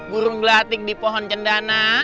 burung belatik di pohon cendana